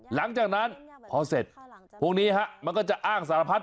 หลังจากนั้นพอเสร็จพวกนี้มันก็จะอ้างสารพัด